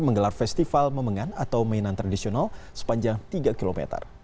menggelar festival memengan atau mainan tradisional sepanjang tiga km